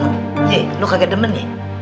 nih lu kagak demen ya